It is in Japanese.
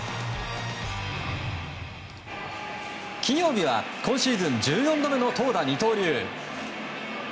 金曜日は今シーズン１４度目の投打二刀流。